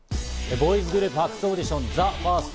ボーイズグループ発掘オーディション、ＴＨＥＦＩＲＳＴ。